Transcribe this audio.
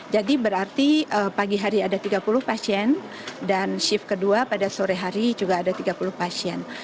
jadi berarti pagi hari ada tiga puluh pasien dan shift kedua pada sore hari juga ada tiga puluh pasien